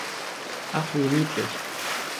Ach wie niedlich.